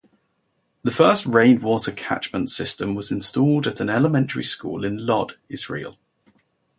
The first rainwater catchment system was installed at an elementary school in Lod, Israel.